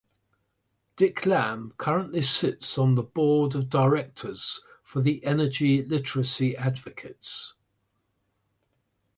Dick Lamm currently sits on the board of directors for the Energy Literacy Advocates.